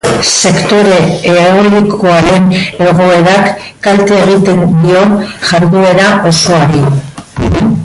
Sektore eolikoaren egoerak kalte egiten dio jarduera osoari.